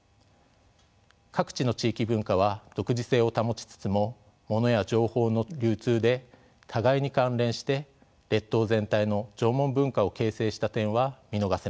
各地の地域文化は独自性を保ちつつもモノや情報の流通で互いに関連して列島全体の縄文文化を形成した点は見逃せません。